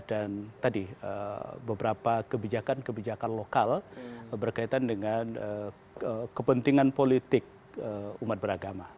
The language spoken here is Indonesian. dan tadi beberapa kebijakan kebijakan lokal berkaitan dengan kepentingan politik umat beragama